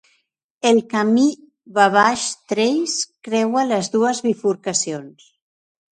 El camí Wabash Trace creua les dues bifurcacions.